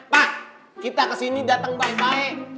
pak kita kesini datang baik baik